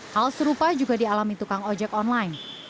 hal serupa juga dialami tukang ojek online